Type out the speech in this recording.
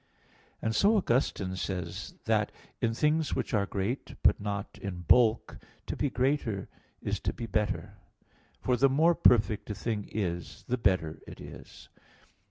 And so Augustine says (De Trin. vi, 18) that "in things which are great, but not in bulk, to be greater is to be better," for the more perfect a thing is the better it is.